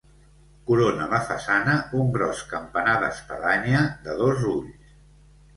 Corona la façana un gros campanar d'espadanya de dos ulls.